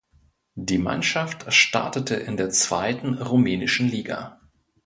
Die Mannschaft startete in der zweiten rumänischen Liga.